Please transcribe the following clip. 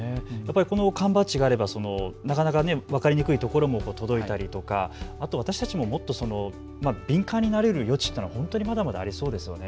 この缶バッジがあればなかなか分かりにくいところにも届いたり私たちももっと敏感になれる余地というのがまだまだありそうですね。